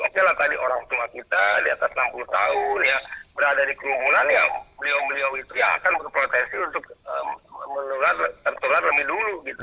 oke lah tadi orang tua kita di atas enam puluh tahun ya berada di kerumunan ya beliau beliau itu yang akan berproteksi untuk tertular lebih dulu gitu